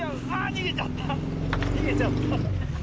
逃げちゃった。